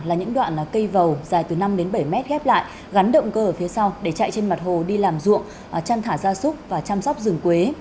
là những đoạn cây vầu dài từ năm đến bảy mét ghép lại gắn động cơ ở phía sau để chạy trên mặt hồ đi làm ruộng chăn thả ra súc và chăm sóc rừng quế